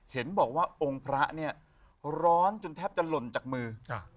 เห็นบอกว่าองค์พระเนี่ยร้อนจนแทบจะหล่นจากมือ